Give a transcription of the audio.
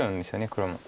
黒も。